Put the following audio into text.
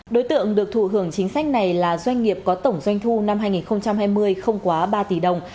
đối tượng được thụ hưởng chính sách này là doanh nghiệp có tổng doanh thu năm hai nghìn hai mươi không quá ba tỷ đồng